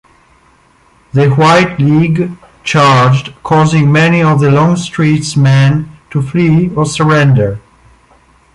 The White League charged, causing many of Longstreet's men to flee or surrender.